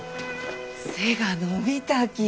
背が伸びたき。